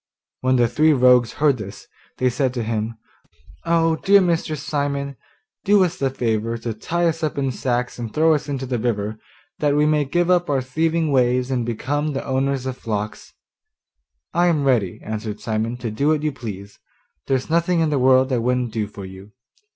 When the three rogues heard this, they said to him: 'Oh, dear Mr. Simon, do us the favour to tie us up in sacks and throw us into the river that we may give up our thieving ways and become the owners of flocks.' 'I am ready,' answered Simon, 'to do what you please; there's nothing in the world I wouldn't do for you.